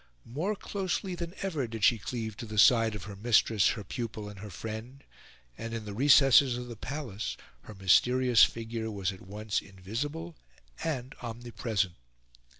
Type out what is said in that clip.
More closely than ever did she cleave to the side of her mistress, her pupil, and her friend; and in the recesses of the palace her mysterious figure was at once invisible and omnipresent.